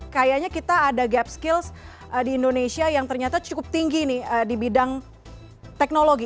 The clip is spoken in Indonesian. kayaknya kita ada gap skills di indonesia yang ternyata cukup tinggi nih di bidang teknologi